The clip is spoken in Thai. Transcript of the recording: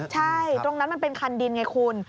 ใช่ตรงนั้นมันเป็นคันดินไงคุณ